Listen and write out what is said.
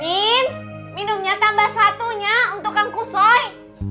min minumnya tambah satunya untuk kang kusoy